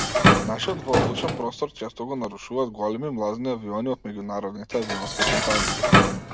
Нашиот воздушен простор често го нарушуваат големи млазни авиони од меѓународните авионски компании.